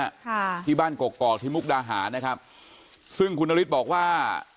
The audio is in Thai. ค่ะที่บ้านกกอกที่มุกดาหารนะครับซึ่งคุณนฤทธิ์บอกว่า